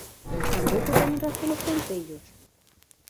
¿Tampouco teñen razón os concellos?